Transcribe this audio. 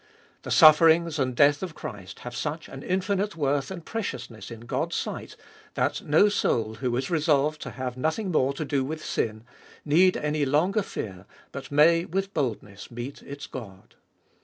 The sufferings and death of Christ have such an infinite worth and preciousness in God's sight that no soul, who is resolved to have nothing more to do with sin, need any longer fear, but may with boldness meet its God.